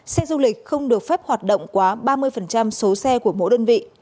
xe du lịch không được phép hoạt động quá ba mươi số xe của mỗi đơn vị